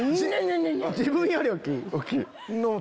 自分より大っきいん？